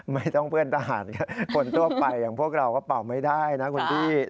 ไม่ต้องเพื่อนทหารคนทั่วไปอย่างพวกเราก็เป่าไม่ได้นะคุณพี่